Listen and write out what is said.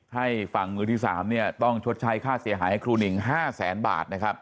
ให้ฝั่งมือที่๓ต้องชดใช้ค่าเสียหายให้ครูหนิง๕แสนบาทนะครับ